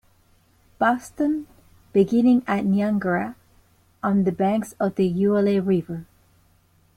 Buxton, beginning at Niangara on the banks of the Uele River.